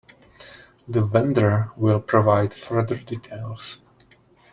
The vendor will provide further details.